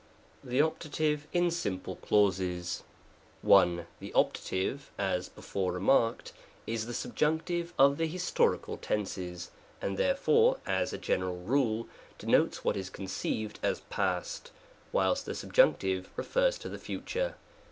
THE OPTATIVE IN SIMPLE CLAUSES. 1. The Optative, as before remarked, is the sub junctive of the historical tenses, and therefore, as a general rule, denotes what is conceived as past, whilst the Subjunctive refers to the future.